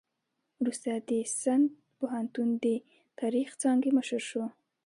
وروسته د سند پوهنتون د تاریخ څانګې مشر شو.